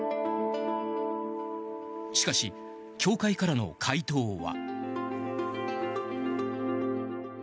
しかし、教会からの回答は。